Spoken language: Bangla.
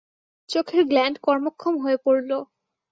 চোখের গ্ল্যাণ্ড কর্মক্ষম হয়ে পড়ল।